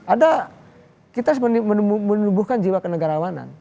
ada kita menubuhkan jiwa kenegarawanan